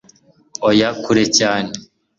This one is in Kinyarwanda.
Oya kure cyane